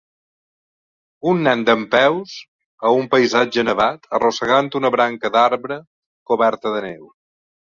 Un nen dempeus a un paisatge nevat arrossegant una branca d'arbre coberta de neu.